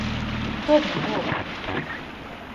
Dod man roku.